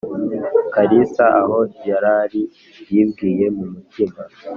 kalisa aho yarari yibwiye mumutima